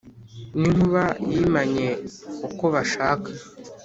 n'inkuba yimanye uko bashaka